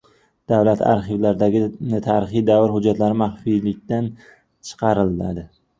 Davlat arxivlaridagi tarixiy davr hujjatlari maxfiylikdan chiqariladi